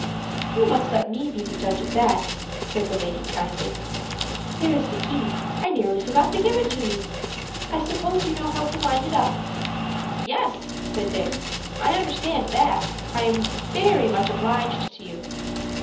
"You must let me be the judge of that," said the lady, kindly. "Here is the key; I nearly forgot to give it to you. I suppose you know how to wind it up?" "Yes," said Dick. "I understand that. I am very much obliged to you."